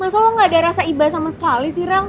masa lo gak ada rasa ibah sama sekali sih rang